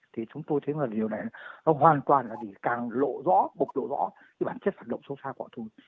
thì chúng tôi thấy là điều này nó hoàn toàn là để càng lộ rõ bộc lộ rõ cái bản chất phản động xấu xa của họ